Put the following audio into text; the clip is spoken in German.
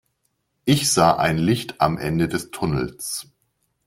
Ich sah ein Licht am Ende des Tunnels.